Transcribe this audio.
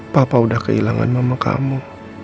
papa udah kehilangan mama kamu